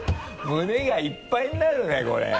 胸がいっぱいになるねこれ。